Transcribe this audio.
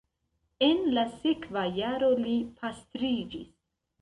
En la sekva jaro li pastriĝis.